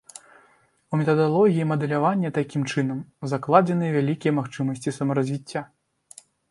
У метадалогіі мадэлявання, такім чынам, закладзеныя вялікія магчымасці самаразвіцця.